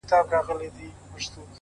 • لېونتوب ته په خندا یې هر سړی وو,